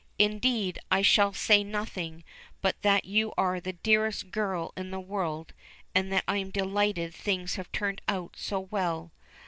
"Indeed, I shall say nothing but that you are the dearest girl in the world, and that I'm delighted things have turned out so well.